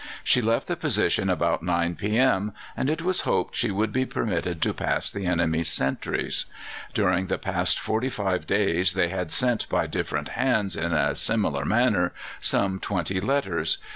She left the position about 9 p.m., and it was hoped she would be permitted to pass the enemy's sentries. During the past forty five days they had sent by different hands, in a similar manner, some twenty letters.